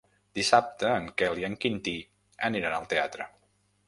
Dissabte en Quel i en Quintí aniran al teatre.